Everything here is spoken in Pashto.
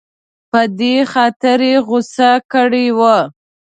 په دې خاطر یې غوسه کړې وه.